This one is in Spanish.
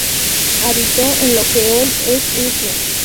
Habito en lo que hoy es Rusia.